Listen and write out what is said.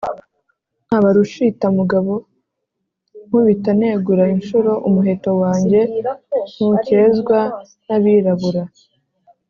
nkaba rushitamugabo, nkubita negura inshuro, umuheto wanjye ntukezwa n’abirabura.